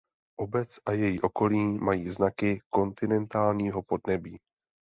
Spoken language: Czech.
Obec a její okolí mají znaky kontinentálního podnebí.